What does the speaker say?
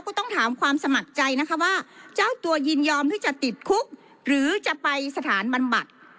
ก็ต้องถามความสมัครใจนะคะว่าเจ้าตัวยินยอมที่จะติดคุกหรือจะไปสถานบำบัด